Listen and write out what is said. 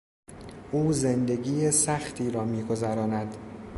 او زندگی سختی را میگذراند.